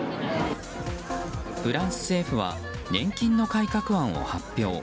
フランス政府は年金の改革案を発表。